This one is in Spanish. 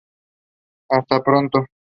Hasta pronto!"".